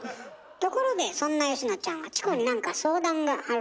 ところでそんな佳乃ちゃんはチコに何か相談があるらしいわね。